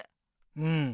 うん。